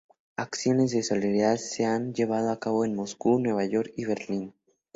Acciones de solidaridad se han llevado a cabo en Moscú, Nueva York y Berlín.